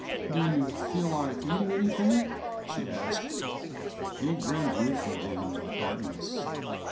"Do you feel like eating anything?" she asked. He grinned ruefully in the darkness.